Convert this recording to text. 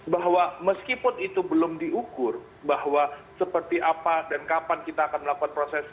bahwa meskipun itu belum diukur bahwa seperti apa dan kapan kita akan melakukan proses